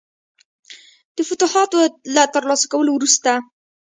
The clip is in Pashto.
د فتوحاتو له ترلاسه کولو وروسته.